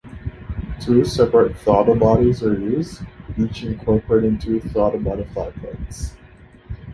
Two separate throttle bodies are used, each incorporating two throttle butterfly plates.